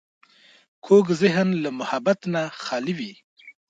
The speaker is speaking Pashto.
کوږ ذهن له محبت نه خالي وي